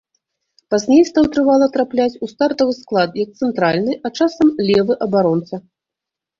Пазней стаў трывала трапляць у стартавы склад як цэнтральны, а часам левы абаронца.